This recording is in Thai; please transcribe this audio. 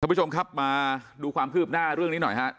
ผู้ชมครับมาดูความคืบหน้าเรื่องนี้หน่อยฮะ